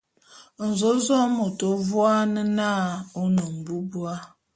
Nzōzôé môt ô vuane vuane na ô ne mbubua.